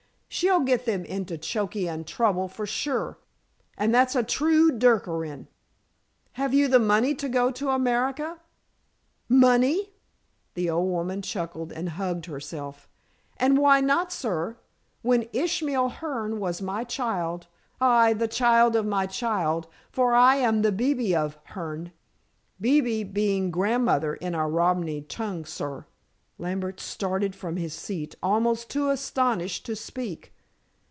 She'll get them into choky and trouble, for sure. And that's a true dukkerin." "Have you the money to go to America?" "Money?" The old woman chuckled and hugged herself. "And why not, sir, when Ishmael Hearne was my child. Aye, the child of my child, for I am the bebee of Hearne, bebee being grandmother in our Romany tongue, sir." Lambert started from his seat, almost too astonished to speak.